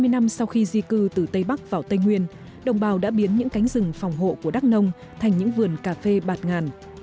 hai mươi năm sau khi di cư từ tây bắc vào tây nguyên đồng bào đã biến những cánh rừng phòng hộ của đắk nông thành những vườn cà phê bạt ngàn